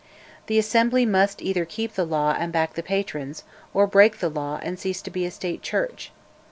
The Assembly must either keep the law and back the patrons, or break the law and cease to be a State Church.